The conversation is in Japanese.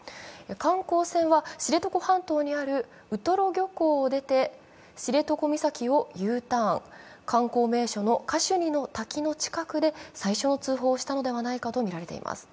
観光船は知床半島にあるウトロ漁港を出て知床岬をＵターン、観光名所のカシュニの滝の近くで最初の通報をしたのではないかとみられています。